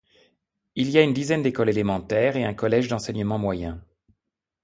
Il y a une dizaine d'écoles élémentaires et un collège d'enseignement moyen.